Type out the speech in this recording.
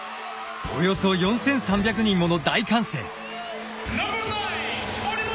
およそ４，３００人もの大歓声。